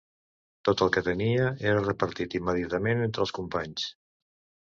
Tot el que tenia era repartit immediatament entre els companys